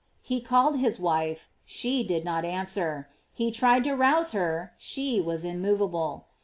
He called his wife; she did not answer: he tried to arouse her; she was immovable.